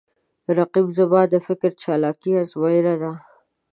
رقیب زما د فکر چالاکي آزموینه ده